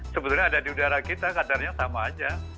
sebetulnya ada di udara kita kadarnya sama aja